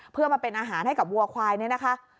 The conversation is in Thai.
เพื่อมาเป็นอาหารให้กับวัวควายเนี่ยนะคะ